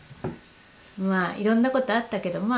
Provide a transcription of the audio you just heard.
まあいろんなことあったけどまあ